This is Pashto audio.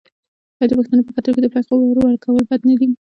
آیا د پښتنو په کلتور کې د پیغور ورکول بد نه دي؟